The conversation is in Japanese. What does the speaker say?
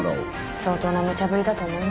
相当なむちゃぶりだと思いますが。